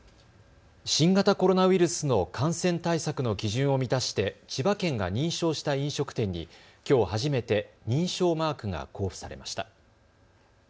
新型コロナウイルスの感染対策の基準を満たして千葉県が認証した飲食店にきょう初めて認証マークが交付されました。